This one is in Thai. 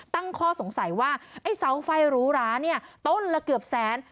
ตั้งข้อสงสัยว่าไอ้เสาไฟหรูหราเนี่ยต้นละเกือบแสน